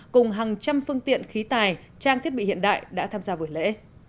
cùng hàng trăm phương tiện khí tài trang thiết bị hiện đại đã tham gia buổi lễ